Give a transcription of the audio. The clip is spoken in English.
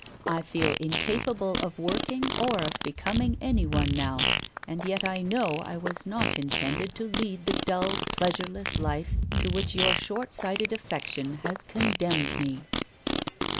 I feel incapable of working or of becoming anyone now, and yet I know I was not intended to lead the dull, pleasureless life to which your short sighted affection has condemned me.'